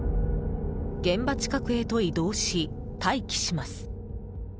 現場近くへと移動し待機します。